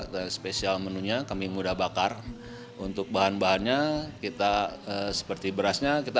dan spesial menunya kami muda bakar untuk bahan bahannya kita seperti berasnya kita